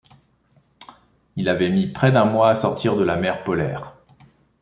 Il avait mis près d’un mois à sortir de la mer polaire.